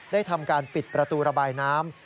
ทำการปิดประตูระบายน้ำ